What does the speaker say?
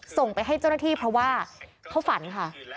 ส่งไปให้เจ้าหน้าที่เพราะว่าเขาฝันค่ะ